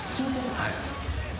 はい。